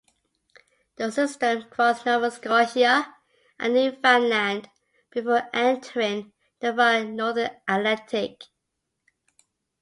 The system crossed Nova Scotia and Newfoundland before entering the far northern Atlantic.